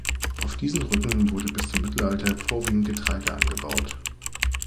Auf diesen Rücken wurde bis zum Mittelalter vorwiegend Getreide angebaut.